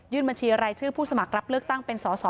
บัญชีรายชื่อผู้สมัครรับเลือกตั้งเป็นสอสอ